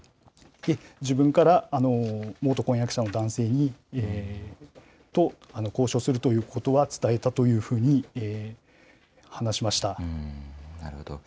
自分から、元婚約者の男性と交渉するということは伝えたというふうに話しまなるほど。